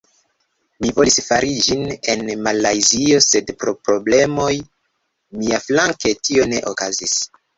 Ni volis fari ĝin en Malajzio sed pro problemoj miaflanke, tio ne okazis